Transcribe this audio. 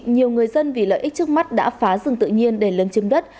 nhiều người dân vì lợi ích trước mắt đã phá rừng tự nhiên để lưng châm đất